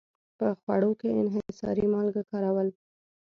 په خوړو کې انحصاري مالګه کارول.